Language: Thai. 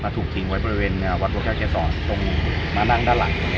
ถูกทิ้งไว้บริเวณวัดโรคชาติ๗๒ตรงมานั่งด้านหลัง